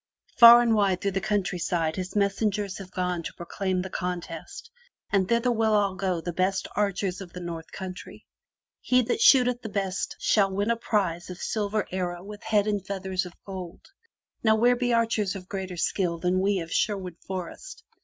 Far and wide through the countryside his messengers have gone to proclaim the contest and thither will go all the best archers of the North Country. He that shooteth the best of all shall win as prize a silver arrow with head and feathers of gold. Now where be archers of greater skill than we of Sherwood Forest?